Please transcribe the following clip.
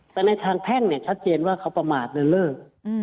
แต่ในทางแพ่งชัดเจนว่าเขาประมาทเรื่องเลอร์